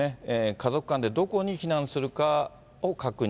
家族間でどこに避難するかを確認。